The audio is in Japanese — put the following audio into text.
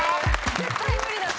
絶対無理だった。